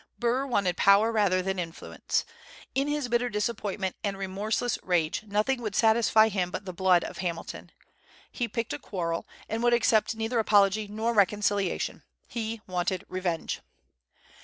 Burr wanted power rather than influence. In his bitter disappointment and remorseless rage, nothing would satisfy him but the blood of Hamilton. He picked a quarrel, and would accept neither apology nor reconciliation; he wanted revenge.